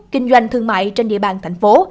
kinh doanh thương mại trên địa bàn thành phố